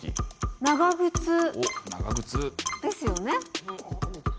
長靴ですよね？